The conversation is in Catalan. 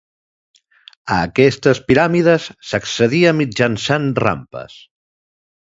A aquestes piràmides s'accedia mitjançant rampes.